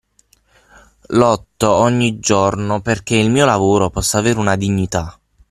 Lotto ogni giorno perché il mio lavoro possa avere una dignità.